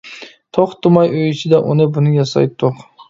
توختىماي ئۆي ئىچىدە ئۇنى بۇنى ياسايتتۇق.